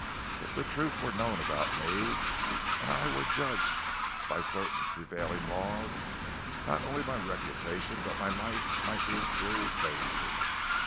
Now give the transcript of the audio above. If the truth were known about me, and I were judged by certain prevailing laws, not only my reputation but my life might be in serious danger.